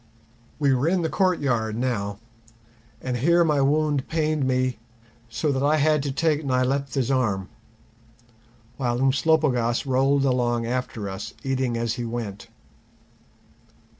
We were in the courtyard now, and here my wound pained me so that I had to take Nyleptha's arm, while Umslopogaas rolled along after us, eating as he went.